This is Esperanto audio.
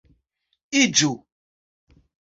iĝu